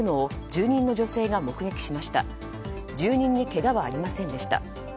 住人にけがはありませんでした。